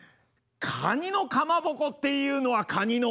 かにのかまぼこっていうのはかにの。